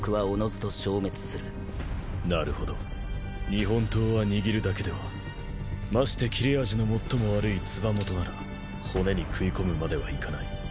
日本刀は握るだけではまして斬れ味の最も悪いつば元なら骨に食い込むまではいかない。